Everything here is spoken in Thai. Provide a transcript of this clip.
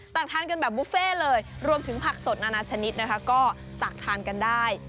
ทานกันแบบบุฟเฟ่เลยรวมถึงผักสดนานาชนิดนะคะก็ตักทานกันได้